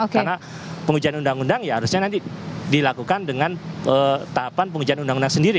karena pengujian undang undang ya harusnya nanti dilakukan dengan tahapan pengujian undang undang sendiri